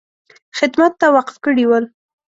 خدمت ته وقف کړي ول.